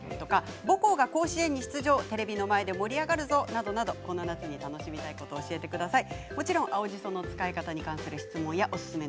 母校が甲子園に出場テレビの前で盛り上がるぞなどなどこの夏楽しみたいことを教えてください。